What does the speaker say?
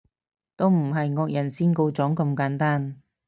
都唔係惡人先告狀咁簡單